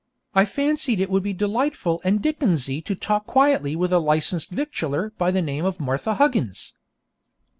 I fancied it would be delightful and Dickensy to talk quietly with a licensed victualler by the name of Martha Huggins.